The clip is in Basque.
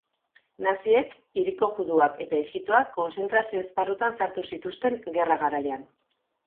Naziek hiriko juduak eta ijitoak kontzentrazio-esparrutan sartu zituzten gerra garaian.